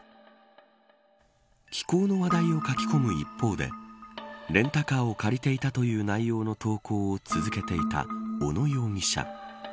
気候の話題を書き込む一方でレンタカーを借りていたという内容の投稿を続けていた小野容疑者。